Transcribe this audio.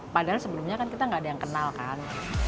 padahal sebelumnya kan kita nggak ada yang kenalkan